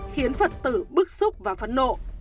khiến phật tử bức xúc và phấn nộ